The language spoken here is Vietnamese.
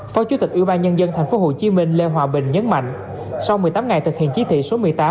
phó chủ tịch ủy ban nhân dân tp hcm lê hòa bình nhấn mạnh sau một mươi tám ngày thực hiện chí thị số một mươi tám